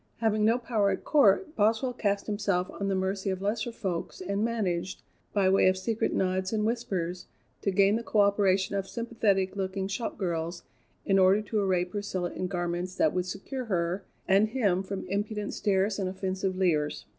Having no power at court, Boswell cast himself on the mercy of lesser folks and managed, by way of secret nods and whispers, to gain the coöperation of sympathetic looking shop girls in order to array Priscilla in garments that would secure her and him from impudent stares and offensive leers.